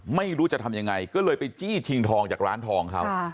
ไม่รู้จะทำยังไงก็เลยไปจี้ชิงทองจากร้านทองเขา